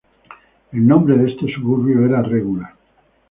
El nombre de este suburbio era "Regula".